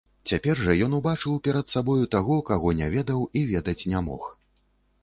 Цяпер жа ён убачыў перад сабою таго, каго не ведаў і ведаць не мог.